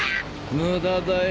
無駄だよ。